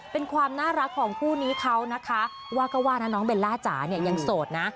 เป็นความน่ารักของคู่นี้เขานะคะว่าก็ว่านะน้องเบลล่าจ๋าเนี่ยยังโสดนะ